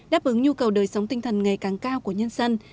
đáp ứng nhu cầu đời sống tinh thần ngày càng cao của nhân dân